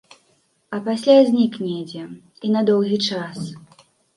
А пасля знік недзе, і на доўгі час.